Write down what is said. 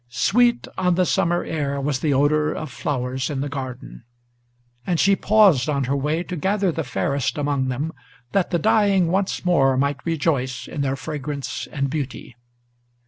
Sweet on the summer air was the odor of flowers in the garden; And she paused on her way to gather the fairest among them, That the dying once more might rejoice in their fragrance and beauty.